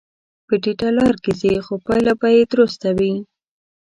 په ټیټه لار کې ځې، خو پایله به درسته وي.